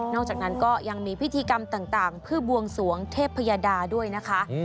อกจากนั้นก็ยังมีพิธีกรรมต่างเพื่อบวงสวงเทพยดาด้วยนะคะ